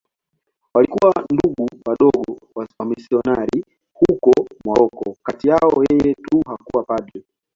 Walikuwa Ndugu Wadogo wamisionari huko Moroko.Kati yao yeye tu hakuwa padri.